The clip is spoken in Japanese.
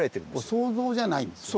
想像じゃないんですよね。